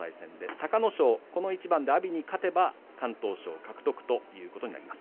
隆の勝、この一番で勝てば敢闘賞獲得です。